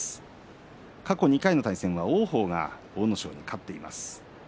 過去２回の対戦、王鵬が阿武咲に勝っています。